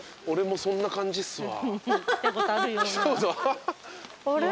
俺もそんな感じっすわ。